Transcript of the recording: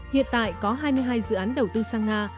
hiện tại có hai mươi hai dự án đầu tư sang nga